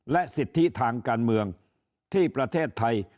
และสิทธิทางการเมืองที่ประเทศไทย